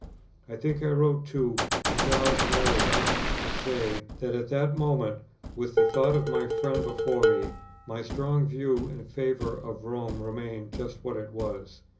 I think I wrote to Charles Marriott to say, that at that moment, with the thought of my friend before me, my strong view in favour of Rome remained just what it was.